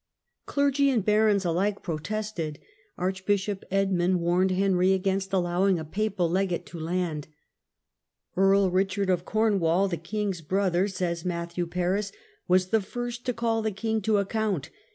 Clergy and barons alike protested. Archbishop Edmund warned Henry against allowing a papal legate to land. Earl Richard "Earl Richard of Cornwall, theking's brother," of Comwau. g^ys Matthew Paris, " was the first to call the king to accoun^t.